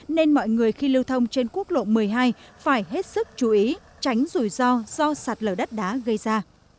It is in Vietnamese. nên mọi người khi lưu thông trên quốc lộ một mươi hai phải hết sức chú ý tránh rủi ro do sạt lở đất đá gây ra